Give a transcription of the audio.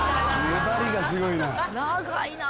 粘りがすごいな。